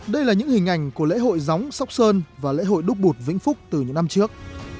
đây là những hình ảnh của lễ hội gióng sóc sơn và lễ hội đúc bụt vĩnh phúc từ những năm trước